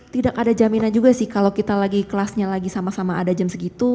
tidak ada jaminan juga sih kalau kita lagi kelasnya lagi sama sama ada jam segitu